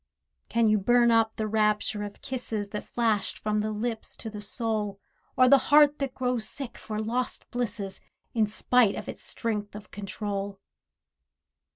Can you burn up the rapture of kisses That flashed from the lips to the soul, Or the heart that grows sick for lost blisses In spite of its strength of control?